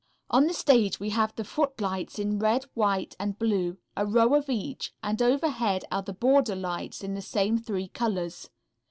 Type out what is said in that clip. On the stage we have the footlights in red, white and blue, a row of each, and overhead are the border lights in the same three colors.